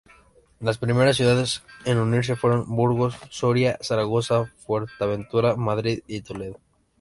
Las primeras ciudades en unirse fueron Burgos, Soria, Zaragoza, Fuerteventura, Madrid y Toledo.